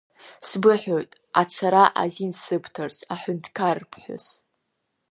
Сбыҳәоит, ацара азин сыбҭарц, аҳәынҭқарԥҳәыс.